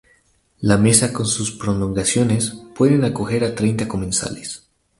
La mesa con sus prolongaciones puede acoger a treinta comensales.